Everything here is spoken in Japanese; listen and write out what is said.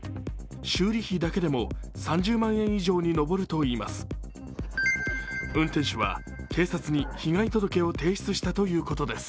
修理費だけでも３０万円以上に上るといいます。